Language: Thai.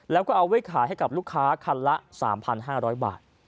แล้วก็เอาไว้ขายให้กับลูกค้าคันละ๓๕๐๐บาท